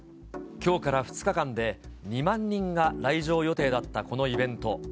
きょうから２日間で２万人が来場予定だったこのイベント。